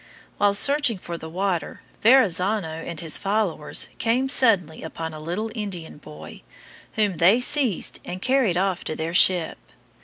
While searching for the water, Verrazzano and his followers came suddenly upon a little Indian boy, whom they seized and carried off to their ship.